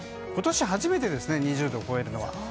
今年初めてですね２０度を超えるのは。